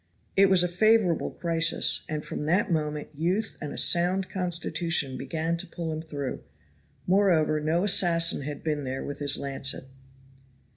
It was a favorable crisis, and from that moment youth and a sound constitution began to pull him through; moreover no assassin had been there with his lancet.